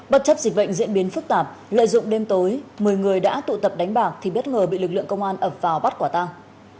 bất chấp dịch bệnh diễn biến phức tạp lợi dụng đêm tối một mươi người đã tụ tập đánh bạc thì bất ngờ bị lực lượng công an ập vào bắt quả tang